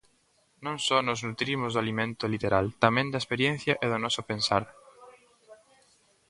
Non só nos nutrimos do alimento literal, tamén da experiencia e do noso pensar.